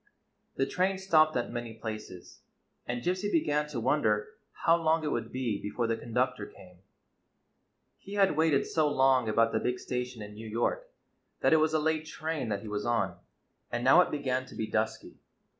The train stopped at many places, and Gypsy began to wonder how long it would be before the con ductor came. He had waited so long about the big station in New York that it was a late train that he was on, and now it began to be dusky.